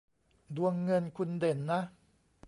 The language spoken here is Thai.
ดวงเงินคุณเด่นนะ